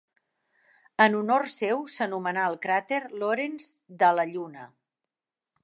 En honor seu, s'anomenà el cràter Lorentz de la Lluna.